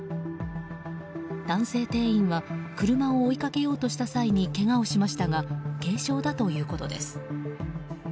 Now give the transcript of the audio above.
男性店員は車を追いかけようとした際にけがをしましたが軽傷だということです。